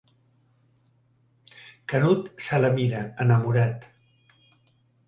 Canut se la mira, enamorat.